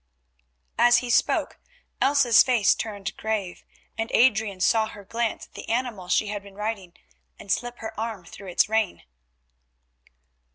'" As he spoke Elsa's face turned grave, and Adrian saw her glance at the animal she had been riding and slip her arm through its rein.